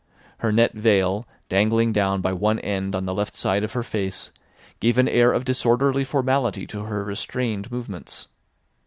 Her net veil dangling down by one end on the left side of her face gave an air of disorderly formality to her restrained movements.